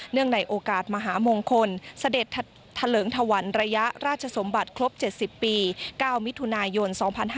ในโอกาสมหามงคลเสด็จเถลิงถวันระยะราชสมบัติครบ๗๐ปี๙มิถุนายน๒๕๕๙